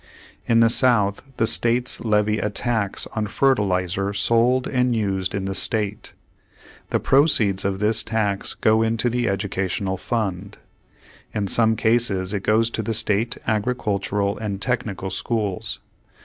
In the South, the states levy a tax on fertilizer sold and used in the state. The proceeds of this tax goes into the educational fund. In some cases it goes to the state agricultural and technical schools.